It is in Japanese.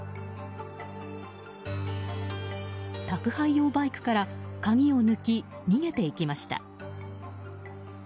宅配用バイクから鍵を抜き逃げていきました。